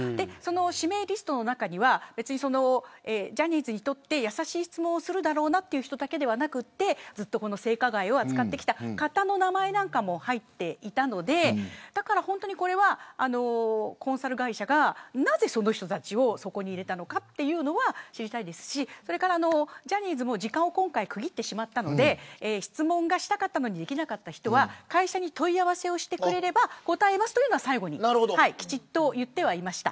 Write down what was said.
指名リストの中にはジャニーズの人にとって優しい質問するだろうなという人だけではなくてずっと性加害を扱ってきた方の名前なんかも入っていたのでこれはコンサル会社がなぜその人たちをそこに入れたのかというのは知りたいですしジャニーズも時間を今回、区切ってしまったので質問がしたかったのにできなかった人は会社に問い合わせをしてくれれば答えますというのは最後にきちっと言ってはいました。